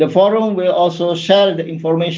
forum juga akan berbagi informasi